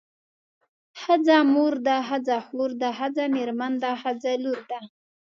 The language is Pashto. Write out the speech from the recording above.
ښځه مور ده ښځه خور ده ښځه مېرمن ده ښځه لور ده.